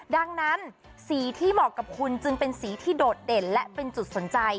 ดังนั้นสีที่เหมาะกับคุณจึงเป็นสีที่โดดเด่นและเป็นจุดสนใจ